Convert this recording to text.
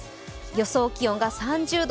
予想気温が３０度。